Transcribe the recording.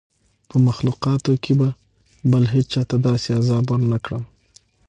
په مخلوقاتو کي به بل هېچا ته داسي عذاب ورنکړم